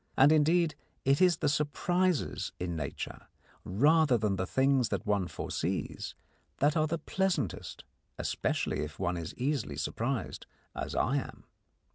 And, indeed, it is the surprises in nature, rather than the things that one foresees, that are the pleasantest especially if one is easily surprised, as I am.